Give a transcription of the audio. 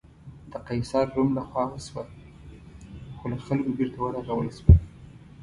د قیصر روم له خوا وسوه، خو له خلکو بېرته ورغول شوه.